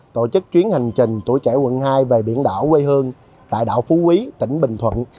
tổ chức chuyến hành trình tuổi trẻ quận hai về biển đảo quê hương tại đảo phú quý tỉnh bình thuận